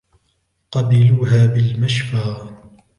قبلوها بالمشفى